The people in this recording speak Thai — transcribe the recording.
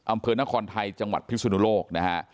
อำเภอนครไทยจังหวัดภิกษุนุโลก